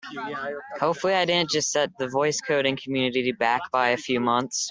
Hopefully I didn't just set the voice coding community back by a few months!